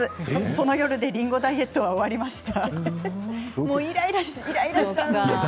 その夜でりんごダイエットは終わりました。